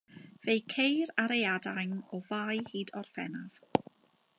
Fe'i ceir ar ei adain o Fai hyd Orffennaf.